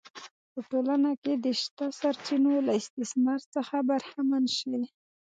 په ټولنه کې د شته سرچینو له استثمار څخه برخمن شي